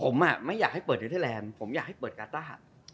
ผมไม่อยากให้เปิดเนเทอร์แลนด์ผมอยากให้เปิดกาต้า